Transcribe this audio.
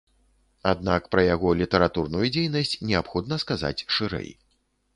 Аднак пра яго літаратурную дзейнасць неабходна сказаць шырэй.